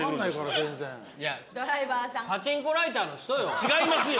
違いますよ。